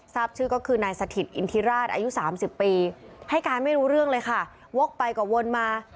ทราบชื่อก็คือนายสถิตอินทิราชอายุ๓๐ปีให้การไม่รู้เรื่องเลยค่ะวกไปกว่าวนมา